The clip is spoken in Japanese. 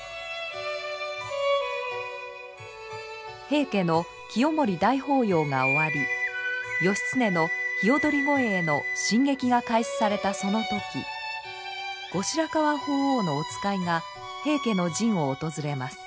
平家の清盛大法要が終わり義経の鵯越への進撃が開始されたその時後白河法皇のお使いが平家の陣を訪れます。